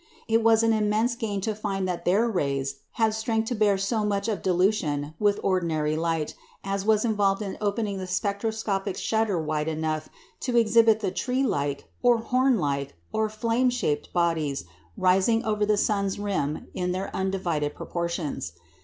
It was an immense gain to find that their rays had strength to bear so much of dilution with ordinary light as was involved in opening the spectroscopic shutter wide enough to exhibit the tree like, or horn like, or flame shaped bodies rising over the sun's rim in their undivided proportions.